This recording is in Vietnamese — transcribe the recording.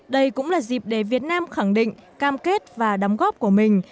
đây cũng là dịp để việt nam khẳng định cam kết và đóng góp của mình